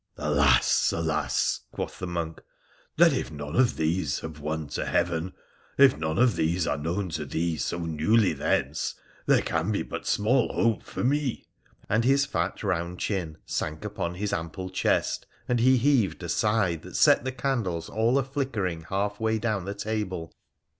' Alas ! alas !' quoth the monk, ' then if none of these have won to heaven, if none of these are known to thee so newly thence, there can be but small hope for me !' And his fat round chin sank upon his ample chest, and he heaved a sigh that set the candles all a flickering halfway down the table.